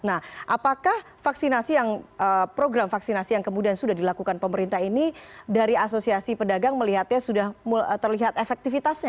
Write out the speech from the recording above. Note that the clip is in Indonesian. nah apakah program vaksinasi yang kemudian sudah dilakukan pemerintah ini dari asosiasi pedagang melihatnya sudah terlihat efektivitasnya